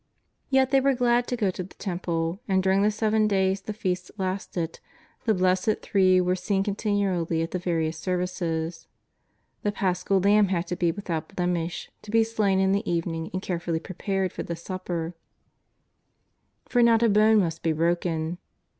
Yet they were glad to go to the Temple, and, during the seven days the Feast lasted, the blessed Three were seen continually at the various services. The Paschal lamb had to be without blemish ; to be slain in the evening and carefully prepared for the sup JESUS OF NAZAEETH. 93 per, for not a bone must be broken.